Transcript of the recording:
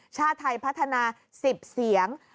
ชาติไทยพัฒนา๑๐เสียง